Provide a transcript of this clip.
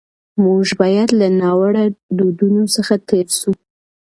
موږ باید له ناوړه دودونو څخه تېر سو.